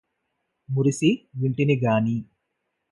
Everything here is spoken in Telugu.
మురిసి వింటినిగాని